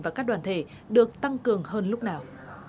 và các đoàn thể được tăng cường hơn lúc nào